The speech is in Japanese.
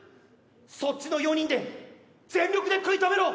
そっちの４人で全力で食い止めろ！